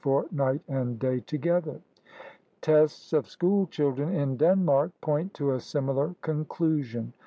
for night and day together. Tests of school children in Denmark point to a similar conclusion.